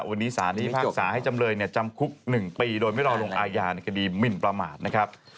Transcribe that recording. วันนี้สารพิพากษาให้จำเลยจำคุก๑ปีโดยไม่รอลงอาญาในคดีหมินประมาทนะครับ